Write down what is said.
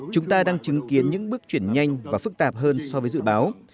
chúng ta đang chứng kiến những bước chuyển nhanh và phức tạp hơn so với dự báo